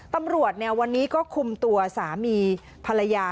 ตำรวจวันนี้ก็คุมตัวสามีภรรยา